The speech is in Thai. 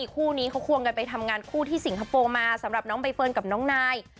คู่นี้เขาควงกันไปทำงานคู่ที่สิงคโปร์มาสำหรับน้องใบเฟิร์นกับน้องนาย